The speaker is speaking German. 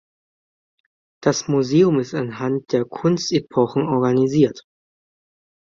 Das Museum ist anhand der Kunstepochen organisiert.